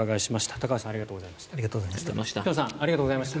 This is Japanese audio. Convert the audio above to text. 高橋さん、辺さんありがとうございました。